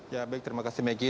ya baik terima kasih maggie